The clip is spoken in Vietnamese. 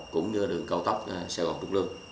cũng như đường cầu tốc sài gòn trúc lương